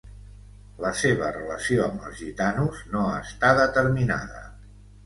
La seva relació amb els gitanos no està determinada.